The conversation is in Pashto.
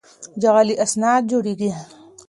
جعلي اسناد جوړېږي.